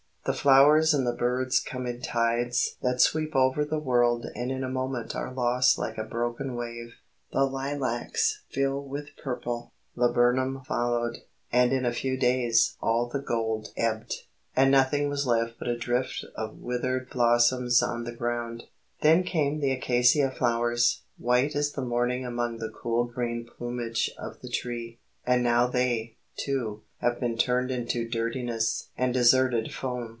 The flowers and the birds come in tides that sweep over the world and in a moment are lost like a broken wave. The lilacs filled with purple; laburnum followed, and in a few days all the gold ebbed, and nothing was left but a drift of withered blossoms on the ground; then came the acacia flowers, white as the morning among the cool green plumage of the tree, and now they, too, have been turned into dirtiness and deserted foam.